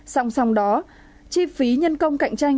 song song đó chi phí nhân công cạnh tranh